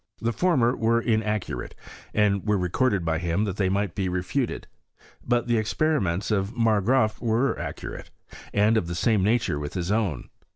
The for mer were inaccurate, and were recorded by him that they might be refuted ; but the experiments of Margraaf were accurate, and of the same nature with his own.